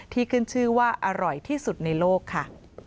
ขึ้นชื่อว่าอร่อยที่สุดในโลกค่ะ